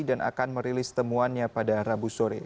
dan akan merilis temuannya pada rabu sore